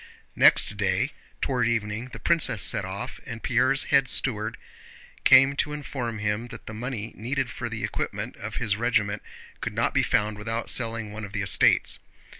Next day toward evening the princess set off, and Pierre's head steward came to inform him that the money needed for the equipment of his regiment could not be found without selling one of the estates.